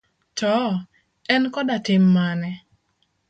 To, en koda tim mane?